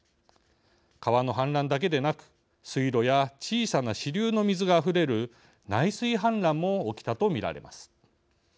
川の氾濫だけでなく水路や小さな支流の水があふれる内水氾濫も起きたとみられます。